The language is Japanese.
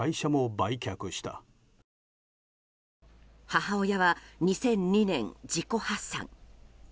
母親は２００２年、自己破産。